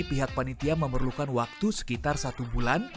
pihak panitia memerlukan waktu sekitar satu bulan